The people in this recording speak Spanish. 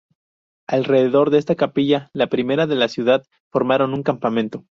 Alrededor de esta capilla, la primera de la ciudad, formaron un campamento.